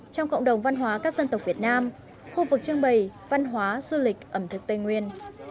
trong cộng đồng văn hóa các dân tộc việt nam khu vực trưng bày văn hóa du lịch ẩm thực tây nguyên